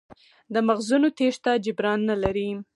د مغزونو تېښته جبران نه لري.